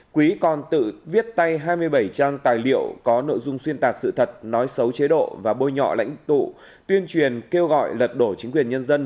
quý còn tự viết tay hai mươi bảy trang tài liệu có nội dung xuyên tạc sự thật nói xấu chế độ và bôi nhọ lãnh tụ tuyên truyền kêu gọi lật đổ chính quyền nhân dân